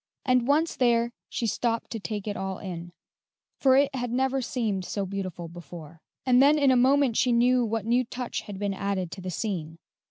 And once there she stopped to take it all in, for it had never seemed so beautiful before; and then in a moment she knew what new touch had been added to the scene.